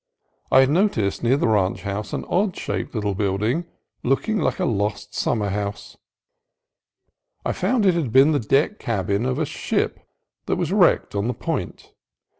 I had noticed near the ranch house an odd shaped little building, looking like a lost summer house. I found that it had been the deck cabin of a ship that was wrecked on the point.